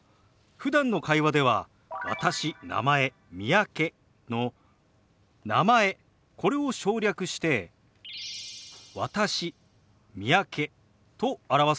ふだんの会話では「私」「名前」「三宅」の「名前」これを省略して「私」「三宅」と表すこともありますよ。